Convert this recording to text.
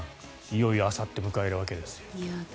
いよいよあさって迎えるわけです。